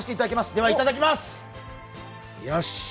では、いただきます！